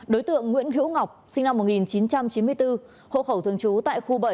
đối tượng nguyễn hữu ngọc sinh năm một nghìn chín trăm chín mươi bốn hộ khẩu thường trú tại khu bảy